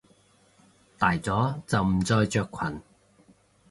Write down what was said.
大咗就唔再着裙！